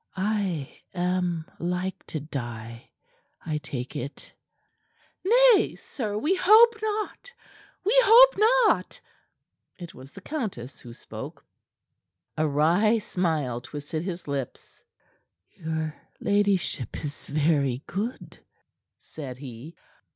I am like to die, I take it." "Nay, sir, we hope not we hope not!" It was the countess who spoke. A wry smile twisted his lips. "Your ladyship is very good," said he.